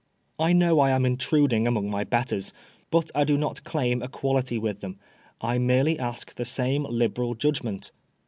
I know I am intruding among my betters ; but I do not claim equality with them ; I merely ask the same liberal judgment.